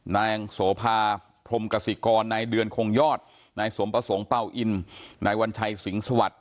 นายโสภาพรมกสิกรนายเดือนคงยอดนายสมประสงค์เป่าอินนายวัญชัยสิงสวัสดิ